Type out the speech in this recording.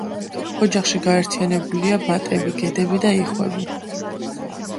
ოჯახში გაერთიანებულია ბატები, გედები და იხვები.